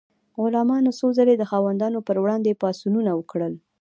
غلامانو څو ځلې د خاوندانو پر وړاندې پاڅونونه وکړل.